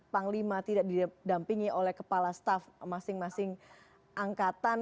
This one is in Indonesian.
panglima tidak didampingi oleh kepala staff masing masing angkatan